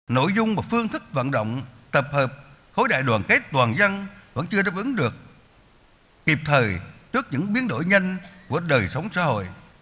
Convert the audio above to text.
nội dung và phương thức vận động tập hợp khối đại đoàn kết toàn dân vẫn chưa đáp ứng được kịp thời trước những biến đổi nhanh của đời sống xã hội